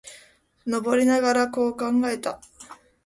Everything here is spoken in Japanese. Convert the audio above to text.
登りながら、こう考えた。